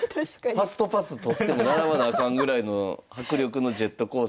ファストパス取っても並ばなあかんぐらいの迫力のジェットコースターとなってますが。